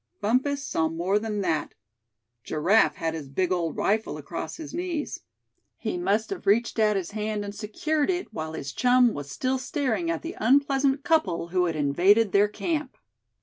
Bumpus saw more than that. Giraffe had his big old rifle across his knees. He must have reached out his hand and secured it, while his chum was still staring at the unpleasant couple who had invaded their camp.